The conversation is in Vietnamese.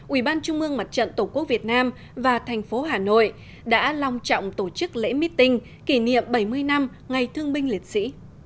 ubnd tổ quốc việt nam và tp hà nội đã long trọng tổ chức lễ mít tình kỷ niệm bảy mươi năm ngày thương binh liệt sĩ